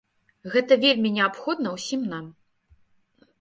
Гэта вельмі неабходна ўсім нам.